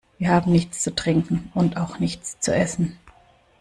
Wir haben nichts zu trinken und auch nichts zu essen.